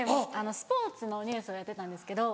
スポーツのニュースをやってたんですけど。